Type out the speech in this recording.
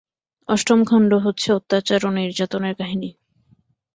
অষ্টম খণ্ড হচ্ছে অত্যাচার ও নির্যাতনের কাহিনী।